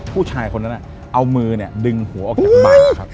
ผู้ชายคนนั้นเอามือดึงหัวออกจากใบครับ